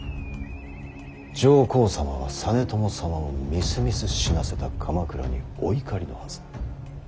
上皇様は実朝様をみすみす死なせた鎌倉にお怒りのはず。